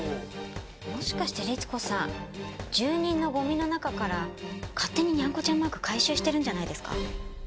もしかして律子さん住人のゴミの中から勝手ににゃんこちゃんマーク回収してるんじゃないですか？